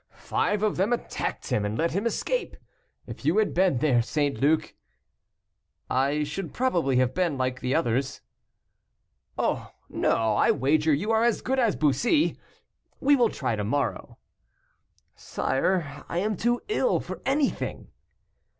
five of them attacked him, and let him escape. If you had been there, St. Luc " "I should probably have been like the others." "Oh! no, I wager you are as good as Bussy. We will try to morrow." "Sire, I am too ill for anything."